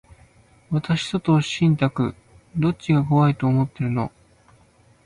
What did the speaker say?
私と投資信託、どっちが怖いと思ってるの？